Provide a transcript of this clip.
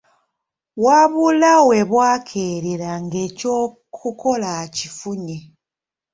Wabula we bwakeerera ng'ekyokukola akifunye.